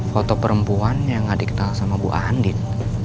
foto perempuan yang gak dikenal sama bu andin